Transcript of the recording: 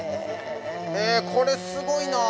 ◆これすごいな。